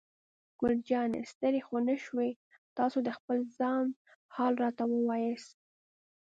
ګل جانې: ستړی خو نه شوې؟ تاسې د خپل ځان حال راته ووایاست.